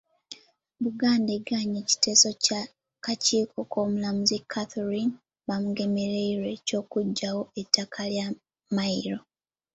Buganda egaanye ekiteeso ky’akakiiko k’omulamuzi Catherine Bamugemereire eky'okuggyawo ettaka lya mmayiro.